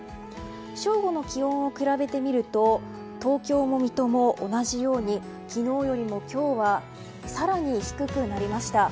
正午の気温を比べてみると東京も水戸も同じように昨日よりも今日は更に低くなりました。